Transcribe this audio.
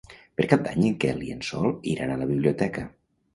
Per Cap d'Any en Quel i en Sol iran a la biblioteca.